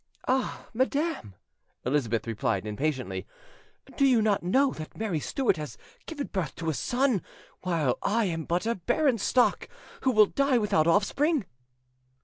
"Ah! madam," Elizabeth replied impatiently, "do you not know that Mary Stuart has given birth to a son, while I am but a barren stock, who will die without offspring?"